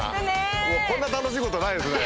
もうこんな楽しいことないですね。